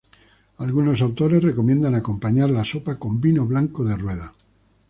Algunos autores recomiendan acompañar la sopa con vino blanco de Rueda.